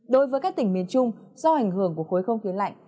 đối với các tỉnh miền trung do ảnh hưởng của khối không khí lạnh